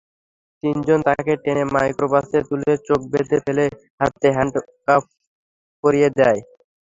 তিনজন তাঁকে টেনে মাইক্রোবাসে তুলে চোখ বেঁধে ফেলে হাতে হ্যান্ডকাফ পরিয়ে দেয়।